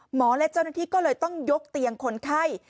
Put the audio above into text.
และเจ้าหน้าที่ก็เลยต้องยกเตียงคนไข้